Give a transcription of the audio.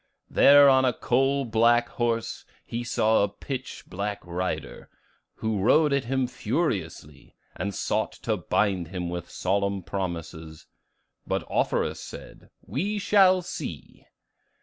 There on a coal black horse he saw a pitch black rider, who rode at him furiously, and sought to bind him with solemn promises. But Offerus said, 'We shall see!